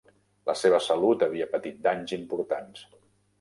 La seva salut havia patit danys importants.